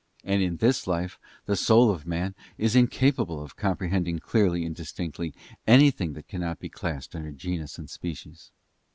And in this life the soul of man is incapable of comprehending clearly and distinctly anything that cannot be classed under genus and species.